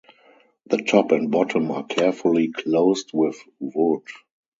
The top and bottom are carefully closed with wood.